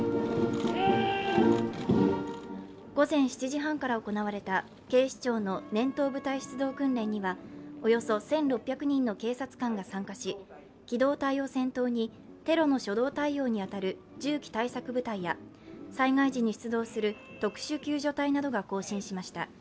午前７時半から行われた警視庁の年頭部隊出動訓練にはおよそ１６００人の警察官が参加し、機動隊を先頭にテロの初動対応に当たる銃器対策部隊や災害時に出動する特殊救助隊などが行進しました。